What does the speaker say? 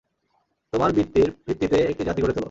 তোমার বৃত্তির ভিত্তিতে একটি জাতি গড়ে তোল।